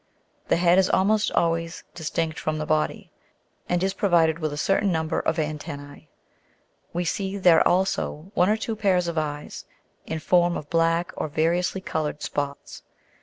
The head is almost always distinct from the body, and is provided with a certain number of antennae ; we see there also one or two pairs of eyes, in form of black or variously coloured spots (fig.